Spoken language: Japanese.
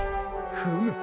フム。